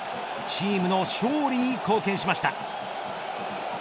チームの勝利に貢献しました。